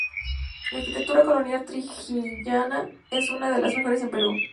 La arquitectura colonial Trujillana es una de las mejores en Perú.